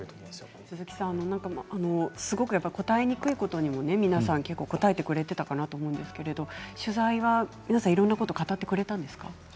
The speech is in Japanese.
すごく答えにくいことにも皆さん、答えてくれていたかなと思うんですが取材は皆さん、いろんなことを語ってくれたんですか？